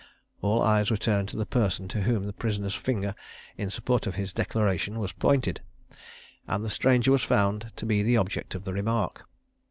All eyes were turned to the person to whom the prisoner's finger, in support of his declaration, was pointed; and the stranger was found to be the object of the remark.